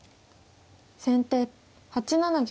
先手８七玉。